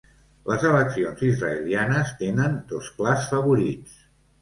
Les eleccions israelianes tenen dos clars favorits